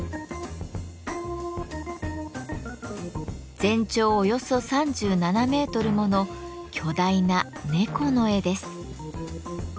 全長およそ３７メートルもの巨大な猫の絵です。